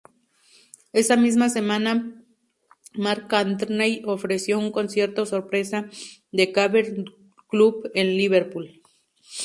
Esa misma semana, McCartney ofreció un concierto sorpresa The Cavern Club en Liverpool.